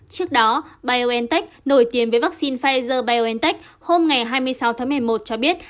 trước đó biontech nổi tiếng với vaccine pfizer biontech hôm ngày hai mươi sáu tháng một mươi một cho biết